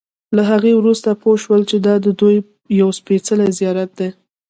له هغې وروسته پوی شول چې دا ددوی یو سپېڅلی زیارت دی.